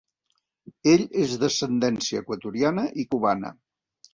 Ell és d'ascendència equatoriana i cubana.